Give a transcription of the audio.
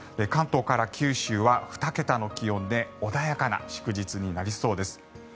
関東から九州は２桁の気温で穏やかな祝日になりそうです。